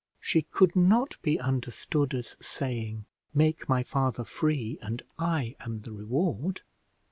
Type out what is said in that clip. She could not be understood as saying, Make my father free and I am the reward.